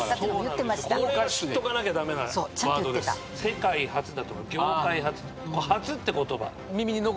「世界初」だとか「業界初」「初」って言葉。